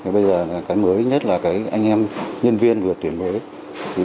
bây giờ cái mới nhất là anh em nhân viên vừa tuyển vệ